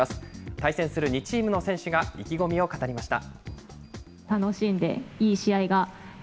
対戦する２チームの選手が、意気込みを語りました。